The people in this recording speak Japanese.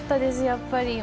やっぱり。